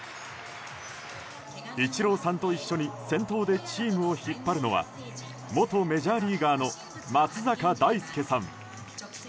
イチローさんと一緒に先頭でチームを引っ張るのは元メジャーリーガーの松坂大輔さん。